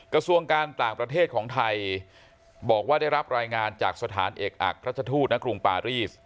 กระทรวงการต่างประเทศของไทยบอกว่าได้รับรายงานจากสถานเอกอักราชทูตณกรุงปารีส